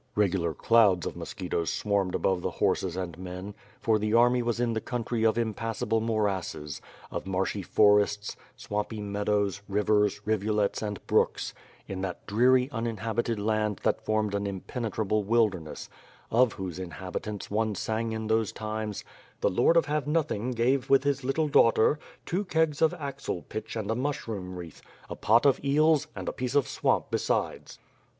Eegular clouds of mosquitoes swarmed above the horses and men, for the army was in the countr}^ of impassable morasses, of marshy forests, swampy meadows, rivers, rivulets, and brooks; in that dreary, uninhabited land that formed an im penetrable wilderness, of whose inhabitants one sang in those times: " The Lord of Have Nothine Gare with his little daughter, Two kegs of axle pitch ana a mushroom wreath, A pot of eels: And a piece of swamp besides.